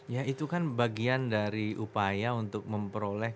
ya itu kan bagian dari upaya untuk memperoleh